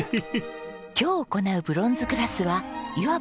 今日行うブロンズクラスはいわば初級編。